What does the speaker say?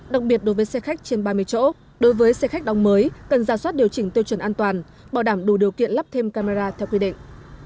đặc biệt đối với xe khách trên ba mươi chỗ đối với xe khách đóng mới cần ra soát điều chỉnh tiêu chuẩn an toàn bảo đảm đủ điều kiện lắp thêm camera theo quy định